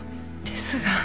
ですが。